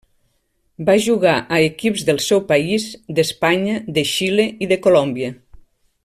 Va jugar a equips del seu país, d'Espanya, de Xile i de Colòmbia.